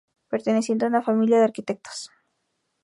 Perteneciente a una familia de arquitectos.